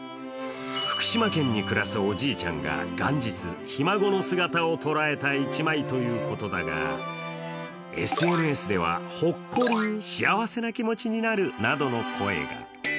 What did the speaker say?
福島県に暮らすおじいちゃんが元日、ひ孫の姿をとらえた一枚ということだがＳＮＳでは、ほっこり、幸せな気持ちになるなどの声が。